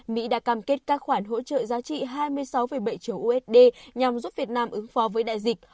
mỹ đã cam kết các khoản hỗ trợ giá trị hai mươi sáu bảy triệu usd nhằm giúp việt nam ứng phó với đại dịch